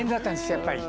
やっぱり。